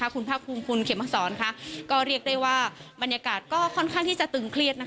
คุณภาคภูมิคุณเขมสอนก็เรียกได้ว่าบรรยากาศก็ค่อนข้างที่จะตึงเครียด